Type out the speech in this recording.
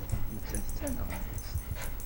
Nettat d taneɣmast.